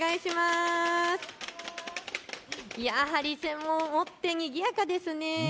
ハリセンを持ってにぎやかですね。